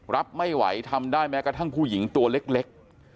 รับไม่ไหวทำได้แม้กระทั่งผู้หญิงตัวเล็ก